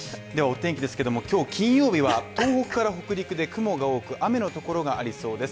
今日、金曜日は東北から北陸で雲が多く雨の所がありそうです。